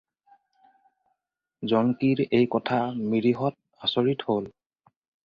জংকিৰ এই কথা মিৰিহঁত আচৰিত হ'ল।